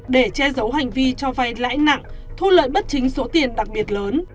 để che giấu hành vi cho vay lãi nặng thu lợi bất chính số tiền đặc biệt lớn